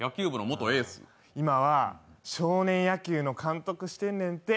今は少年野球の監督してんねんて。